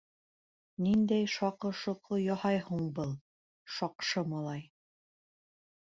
-Ниндәй шаҡы-шоҡо яһай һуң был «шаҡшы» малай?